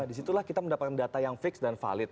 di situlah kita mendapatkan data yang fix dan valid